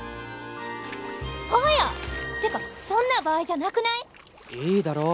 はぁや！ってかそんな場合じゃなくない？いいだろう？